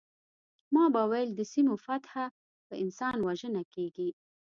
ما به ویل د سیمو فتح په انسان وژنه کیږي